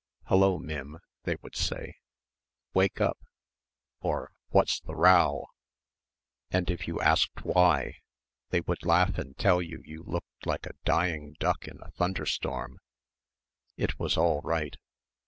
"Hullo, Mim," they would say, "Wake up!" or "What's the row!" and if you asked why, they would laugh and tell you you looked like a dying duck in a thunderstorm.... It was all right.